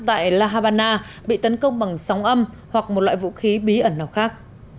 tại la habana bị tấn công bằng sóng âm hoặc một loại vũ khí bí ẩn nào khác